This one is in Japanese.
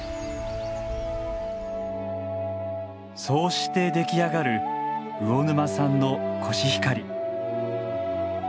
そうして出来上がる魚沼産のコシヒカリ。